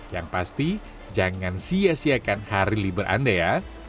yang pasti jangan sia siakan hari libur anda ya